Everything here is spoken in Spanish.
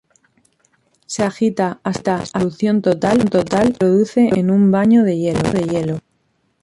Se agita hasta disolución total y se introduce en un baño de hielo.